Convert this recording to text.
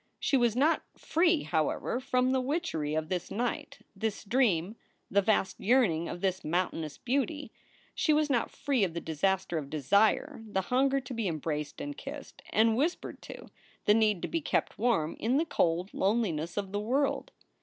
She was not free, however, from the witchery of this night, this dream, the vast yearning of this mountainous beauty. She was not free of the disaster of desire, the hunger to be embraced and kissed and whispered to, the need to be kept warm in the cold loneliness of the world.